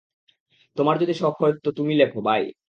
তোমার যদি শখ হয় তো তুমি লেখো, বাই।